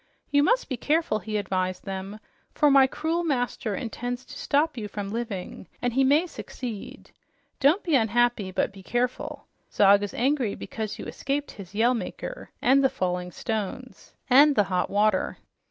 "You must be careful," he advised them, "for my cruel master intends to stop you from living, and he may succeed. Don't be unhappy, but be careful. Zog is angry because you escaped his Yell Maker and the falling stones and the hot water.